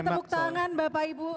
temuk tangan bapak ibu